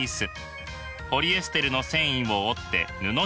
ポリエステルの繊維を織って布地を作ります。